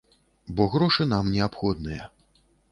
Бо грошы нам неабходныя.